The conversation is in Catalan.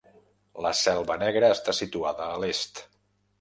La Selva Negra està situada a l'est.